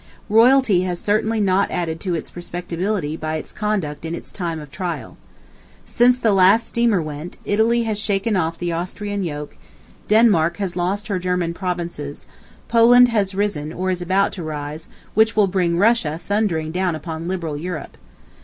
Royalty has certainly not added to its respectability by its conduct in its time of trial. Since the last steamer went, Italy has shaken off the Austrian yoke, Denmark has lost her German provinces, Poland has risen, or is about to rise, which will bring Russia thundering down upon Liberal Europe.